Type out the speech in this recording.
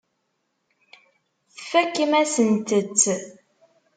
Tfakem-asent-tt.